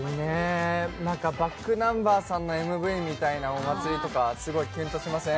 ｂａｃｋｎｕｍｂｅｒさんのＭＶみたいなお祭り、すごいキュンとしません？